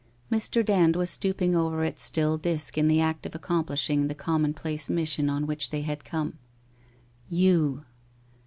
Mr. Dand was stooping over its still disc in the act of accomplishing the commonplace mission on which they had come. You!